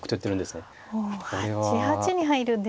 おお８八に入るんですね。